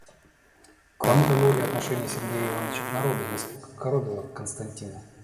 Кроме того, и отношение Сергея Ивановича к народу несколько коробило Константина.